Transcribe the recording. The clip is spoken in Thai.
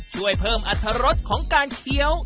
ช่วยเพิ่มอัตรรสของการเคี้ยว